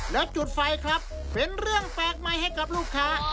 แล้วจุดไฟครับเป็นเรื่องแปลกใหม่ให้กับลูกค้า